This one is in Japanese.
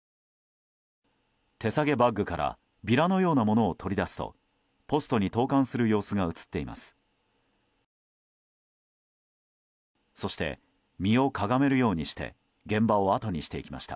手さげバッグからビラのようなものを取り出すとポストに投函する様子が映っています。